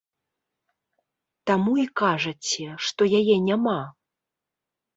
Таму і кажаце, што яе няма!